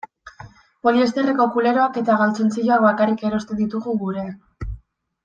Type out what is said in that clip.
Poliesterreko kuleroak eta galtzontziloak bakarrik erosten ditugu gurean.